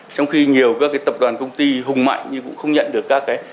trong khi nhiều các tập đoàn công ty hùng mạnh nhưng cũng không nhận được các cái